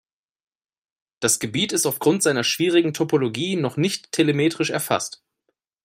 Das Gebiet ist aufgrund seiner schwierigen Topologie noch nicht telemetrisch erfasst.